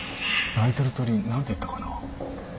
・鳴いてる鳥何ていったかな？